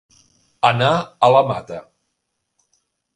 Anar a la mata.